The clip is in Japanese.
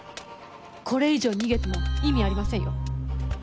これ以上逃げても意味ありませんよ。